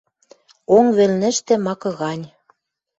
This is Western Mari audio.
Онг вӹлнӹштӹ макы гань.